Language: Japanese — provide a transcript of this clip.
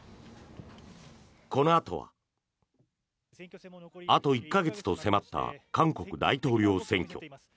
このあとはあと１か月と迫った韓国大統領選挙。